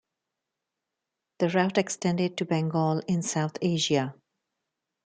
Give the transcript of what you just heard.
The route extended to Bengal in South Asia.